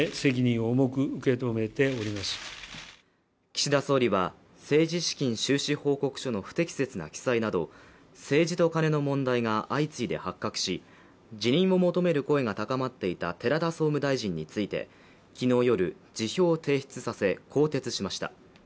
岸田総理は政治資金収支報告書の不適切な記載など政治とカネの問題が、相次いで発覚し、辞任を求める声が高まっていた寺田総務大臣について昨日夜、辞表を提出させ更迭しました。